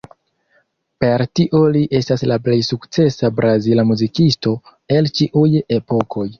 Per tio li estas la plej sukcesa brazila muzikisto el ĉiuj epokoj.